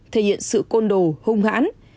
thể hiện sự côn đồ hung hãn